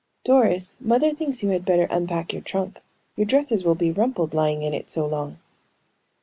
"Doris, mother thinks you had better unpack your trunk. Your dresses will be rumpled lying in it so long."